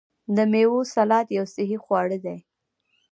د میوو سلاد یو صحي خواړه دي.